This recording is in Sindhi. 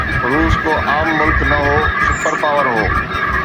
روس ڪو عام ملڪ نه هو، سپر پاور هو.